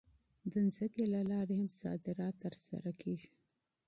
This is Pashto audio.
د ځمکې له لارې هم صادرات ترسره کېږي.